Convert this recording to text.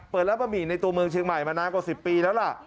ร้านบะหมี่ในตัวเมืองเชียงใหม่มานานกว่า๑๐ปีแล้วล่ะ